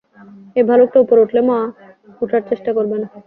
ওই ভালুকটা উপরে থাকলে মা ওঠার চেষ্টা করবে না।